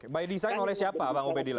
by design oleh siapa bang ubeck dila